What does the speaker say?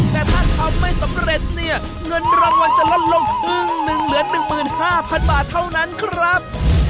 แต่ถ้าทำไม่สำเร็จเนี่ยเงินรางวัลจะลดลงครึ่งหนึ่งเหลือ๑๕๐๐๐บาทเท่านั้นครับ